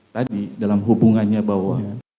tadi dalam hubungannya bahwa